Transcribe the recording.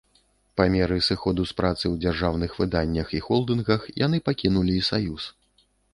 Па меры сыходу з працы ў дзяржаўных выданнях і холдынгах яны пакінулі і саюз.